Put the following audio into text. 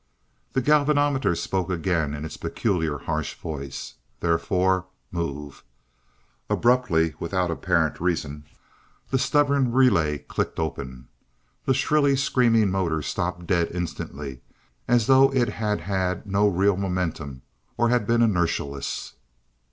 The galvanometer spoke again in its peculiar harsh voice. "Therefore, move." Abruptly, without apparent reason, the stubborn relay clicked open. The shrilly screaming motor stopped dead instantly, as though it had had no real momentum, or had been inertialess.